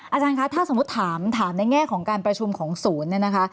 อาจารย์คะถ้าสมมติถามถามในแง่ของการประชุมของศูนย์